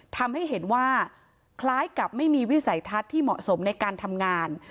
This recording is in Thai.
ทำให้เห็นว่าคล้ายกับไม่มีวิสัยทัศน์ที่เหมาะสมในการทำงาน